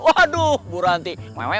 waduh buru henti